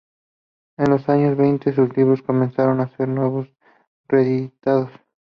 En los años veinte sus libros comenzaron a ser de nuevo reeditados.